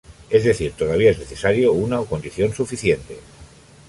Es decir, todavía es necesario una o condición suficiente.